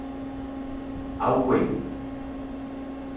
Á wɛ̀.